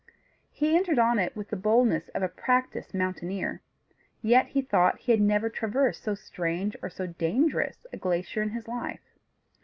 He entered on it with the boldness of a practised mountaineer; yet he thought he had never traversed so strange or so dangerous a glacier in his life.